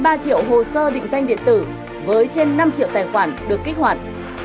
các bộ hồ sơ định danh điện tử với trên năm triệu tài khoản được kích hoạt